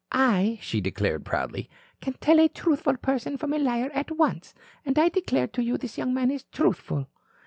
I," she declared proudly, "can tell a truthful person from a liar at once. And I declare to you this young man is truthful."